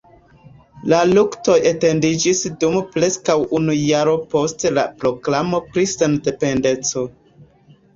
La luktoj etendiĝis dum preskaŭ unu jaro post la proklamo pri sendependeco.